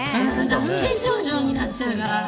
脱水症状になっちゃうから。